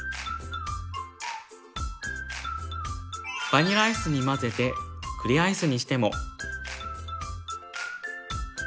バニラアイスに混ぜて栗アイスにしても。